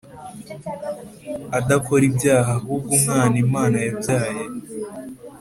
adakora ibyaha ahubwo Umwana Imana yabyaye